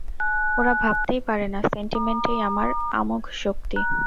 ওরা ভাবতেই পারে না সেন্টিমেন্টেই আমার আমোঘশক্তি।